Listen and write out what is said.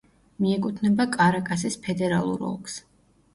მიეკუთვნება კარაკასის ფედერალურ ოლქს.